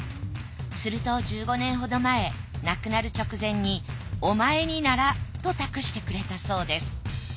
すると１５年ほど前亡くなる直前にお前にならと託してくれたそうです